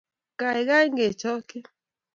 kaikai kechokchi